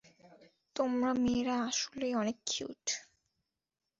তোমরা মেয়েরা আসলেই অনেক কিউট!